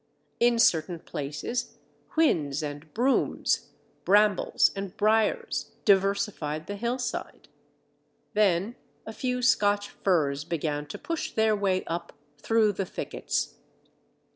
In certain places Whins and Brooms, Brambles and Briers, diversified the hillside. Then a few Scotch firs began to push their way up, through the thickets.